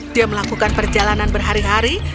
dia melakukan perjalanan berhari hari